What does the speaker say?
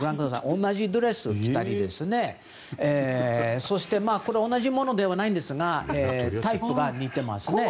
同じドレスを着たりそして同じものではないんですがタイプが似ていますね。